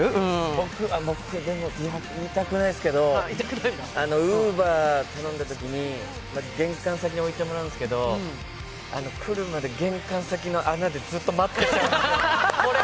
僕は僕で自白言いたくないですけどＵｂｅｒ頼んだときに玄関先に置いてもらうんですけど、来るまで玄関先の穴でずっと待ってた。